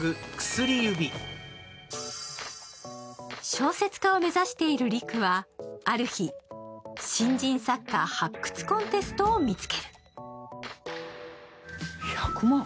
小説家を目指している陸はある日、新人作家発掘コンテストを見つける。